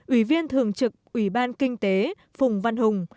ủy viên thường trực ủy ban kinh tế phùng văn hùng